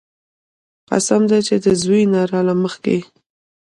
قسم دې چې د زوى نه راله مخکې يې.